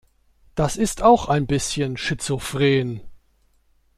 Das ist auch ein bisschen schizophren.